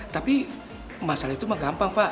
tapi masalah itu mah gampang pak